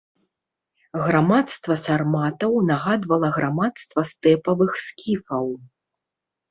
Грамадства сарматаў нагадвала грамадства стэпавых скіфаў.